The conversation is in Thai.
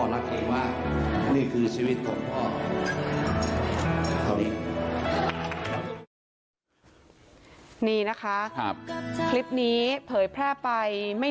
จำเข้าไว้นะลูกเป็นลูกพ่อไม่ใช่ลด